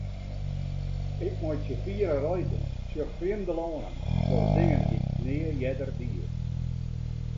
Ik meitsje fiere reizen, sjoch frjemde lannen, doch dingen dy'k nea earder die.